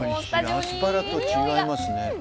アスパラと違いますね。